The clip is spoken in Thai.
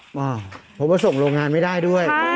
เพราะว่าส่งโรงงานไม่ได้ด้วย